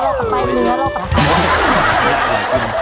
ขันไปเนื้อเราก่อนนะครับ